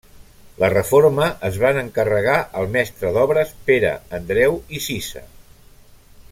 La reforma es van encarregar al mestre d'obres Pere Andreu i Cisa.